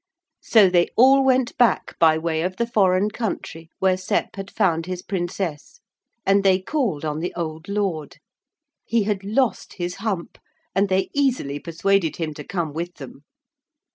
So they all went back by way of the foreign country where Sep had found his Princess, and they called on the old lord. He had lost his hump, and they easily persuaded him to come with them.